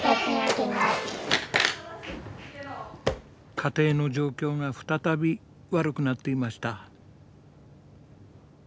家庭の状況が再び悪くなっていました。